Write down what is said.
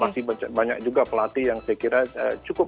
masih banyak juga pelatih yang saya kira cukup